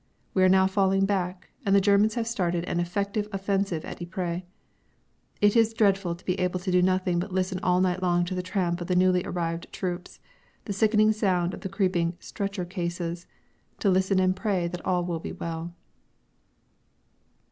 We are now falling back, and the Germans have started an effective offensive at Ypres. It is dreadful to be able to do nothing but listen all night long to the tramp of the newly arrived troops, the sickening sound of the creeping "stretcher cases," to listen and to pray that all will be well.